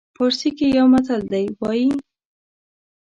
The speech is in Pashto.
پارسي کې یو متل دی وایي.